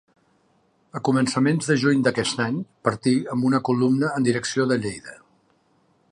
A començaments de juny d'aquest any partí amb una columna en direcció de Lleida.